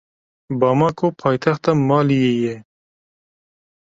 Bamako paytexta Maliyê ye.